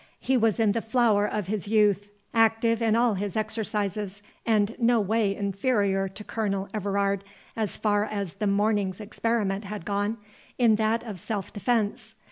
He was in the flower of his youth, active in all his exercises, and no way inferior to Colonel Everard, as far as the morning's experiment had gone, in that of self defence.